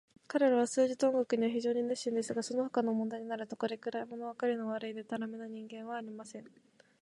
彼等は数学と音楽には非常に熱心ですが、そのほかの問題になると、これくらい、ものわかりの悪い、でたらめな人間はありません。